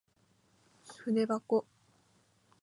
ふでばこ